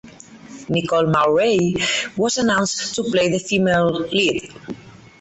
Nicole Maurey was announced to play the female lead.